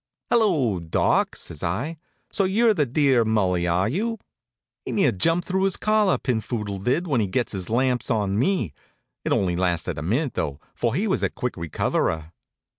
"Hello, Doc!" says I. "So you're the dear Mulli, are you?" He near jumped through his collar, Pinphoodle did, when he gets his lamps on me. It only lasted a minute, though, for he was a quick recoverer.